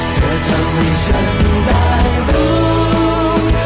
เธอทำให้ฉันได้รู้